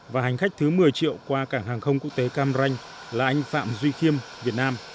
và hành khách thứ một mươi triệu qua cảng hàng không quốc tế cam ranh là anh phạm duy khiêm việt nam